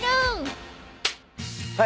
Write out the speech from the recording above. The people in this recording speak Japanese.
はい。